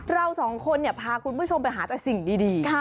เราสองคนพาคุณผู้ชมไปหาแต่สิ่งดี